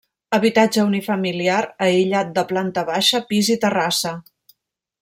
Habitatge unifamiliar aïllat de planta baixa, pis i terrassa.